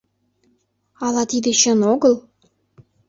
Ала тиде чын огыл?